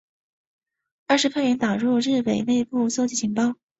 二是派员打入日伪内部搜集情报。